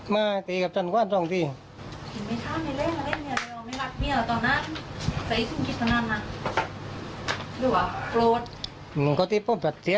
ไม่ได้